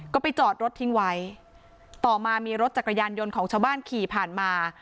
ก็ไปจอดรถทิ้งไว้ต่อมามีรถจักรยานยนต์ของชาวบ้านขี่ผ่านมา